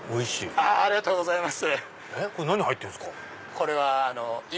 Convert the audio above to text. ありがとうございます。